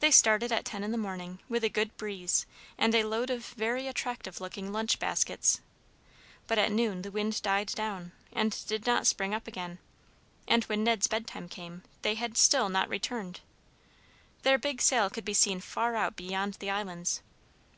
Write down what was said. They started at ten in the morning, with a good breeze, and a load of very attractive looking lunch baskets; but at noon the wind died down, and did not spring up again, and when Ned's bedtime came, they had still not returned. Their big sail could be seen far out beyond the islands.